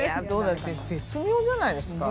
だって絶妙じゃないですか。